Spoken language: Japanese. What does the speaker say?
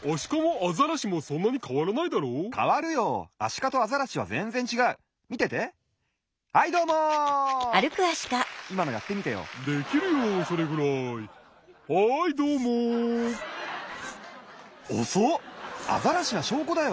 アザラシなしょうこだよ。